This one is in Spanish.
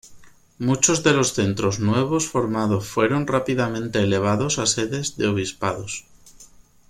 Muchos de los centros nuevos formados fueron rápidamente elevados a sedes de obispados.